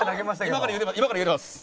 今からゆでます。